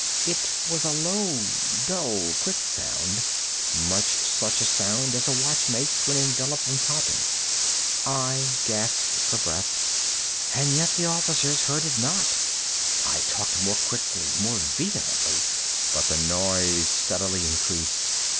It was a low, dull, quick sound—much such a sound as a watch makes when enveloped in cotton. I gasped for breath—and yet the officers heard it not. I talked more quickly—more vehemently; but the noise steadily increased.